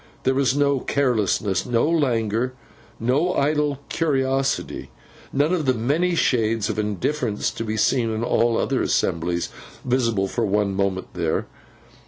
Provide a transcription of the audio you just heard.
There was no carelessness, no languor, no idle curiosity; none of the many shades of indifference to be seen in all other assemblies, visible for one moment there.